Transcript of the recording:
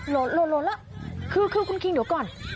ลดลดลดละคือคือคุณคิงเดี๋ยวก่อน